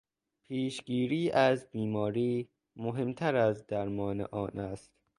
پیشگیری از بیماری مهمتر از درمان آن است.